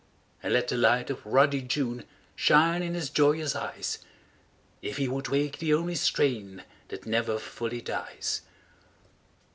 And let the light of ruddy June Shine in his joyous eyes. If he would wake the only strain That never fully dies